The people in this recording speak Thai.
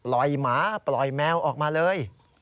ลอยหมาลอยแมวออกมาเลย